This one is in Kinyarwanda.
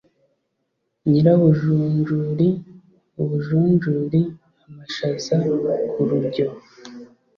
Nyirabujunjuri ubujunjuri-Amashaza ku rujyo.